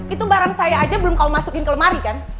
itu barang saya aja belum kau masukin ke lemari kan